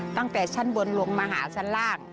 ตั้งแต่ชั้นบนลงมาหาสร้าง